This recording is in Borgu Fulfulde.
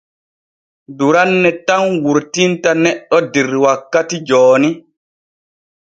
Duranne tan wurtinta neɗɗo der wakkati jooni.